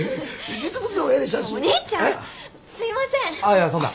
いやそんな。